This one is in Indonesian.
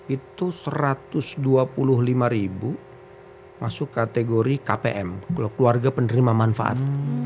itu satu ratus dua puluh lima ribu masuk kategori kpm keluarga penerima manfaat